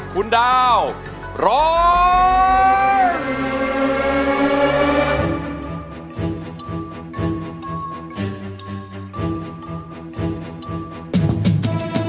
คุณดาวร้อง